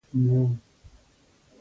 د بخار ماشین د چا په واسطه اختراع شو؟